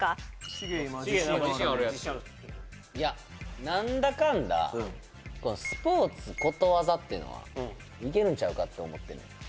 シゲ自信あるやついや何だかんだスポーツことわざっていうのはいけるんちゃうかって思ってんねん